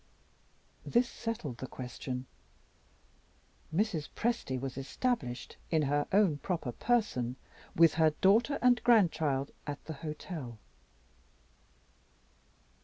This settled the question. Mrs. Presty was established, in her own proper person, with her daughter and grandchild at the hotel.